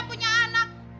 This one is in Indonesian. kamu yang punya anak